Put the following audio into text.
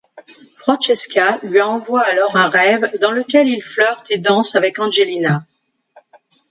Francesca lui envoie alors un rêve dans lequel il flirte et danse avec Angelina.